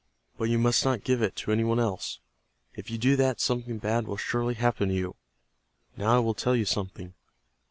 But you must not give it to any one else. If you do that, something bad will surely happen to you. Now I will tell you something.